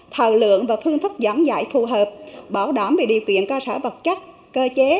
thảo lượng và phương thức giảng dạy phù hợp bảo đảm về điều kiện cơ sở vật chất cơ chế